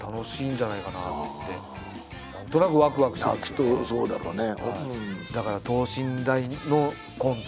きっとそうだろうね。